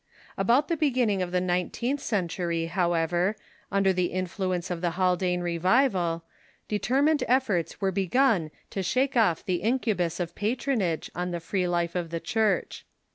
About the beginning of the nineteenth century, however, under the influence of the Haldane revival, determined efforts were begun to shake off the incubus of patronage on the free life of the Church.